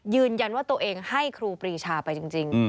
ยืนยันว่าตัวเองให้ครูปรีชาไปจริง